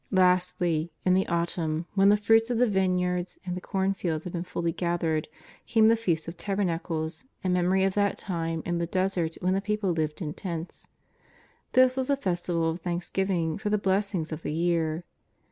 Lastly, in the autumn, when the fruits of the vine yards and the cornfields had been fully gathered, came the Feast of Tabernacles in memory of that time in the desert when the people lived in tents. This was a festival of thanksgiving for the blessings of the year.